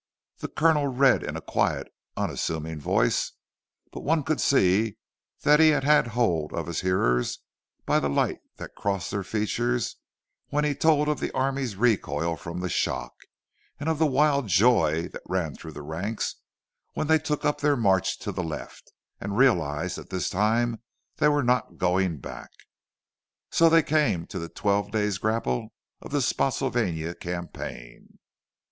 The Colonel read in a quiet, unassuming voice; but one could see that he had hold of his hearers by the light that crossed their features when he told of the army's recoil from the shock, and of the wild joy that ran through the ranks when they took up their march to the left, and realized that this time they were not going back.—So they came to the twelve days' grapple of the Spottsylvania Campaign.